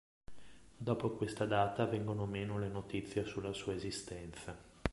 Dopo questa data vengono meno le notizie sulla sua esistenza.